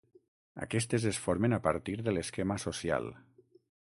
Aquestes es formen a partir de l'esquema social.